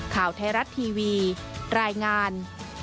ข่าวไทยรัฐทีวีรายงาน